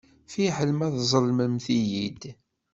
Fiḥel ma tzellmemt-iyi-d.